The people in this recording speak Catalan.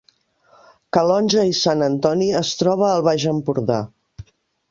Calonge i Sant Antoni es troba al Baix Empordà